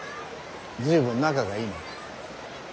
随分仲がいいな。